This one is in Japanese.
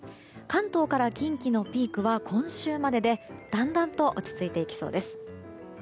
関東から近畿のピークは今週までで、だんだんと落ち着いていきそうです。